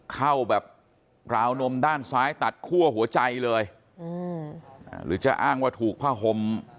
เข้าแบบราวนมด้านซ้ายตัดคั่วหัวใจเลยอืมหรือจะอ้างว่าถูกผ้าห่ม